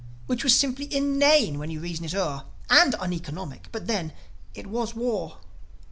Which was simply inane, when you reason it o'er; And uneconomic, but then, it was war.